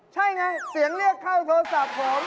ใช่ไงเสียงเรียกเข้าโทรศัพท์ผม